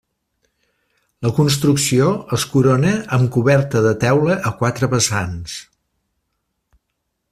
La construcció es corona amb coberta de teula a quatre vessants.